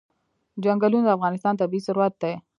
چنګلونه د افغانستان طبعي ثروت دی.